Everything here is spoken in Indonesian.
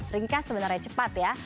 ringkas sebenarnya cepat ya